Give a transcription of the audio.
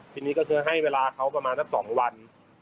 ทีนี้ก็คือให้เวลาเขาประมาณสัก๒วัน